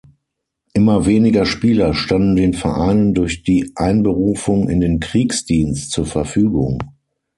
Immer weniger Spieler standen den Vereinen durch die Einberufung in den Kriegsdienst zur Verfügung.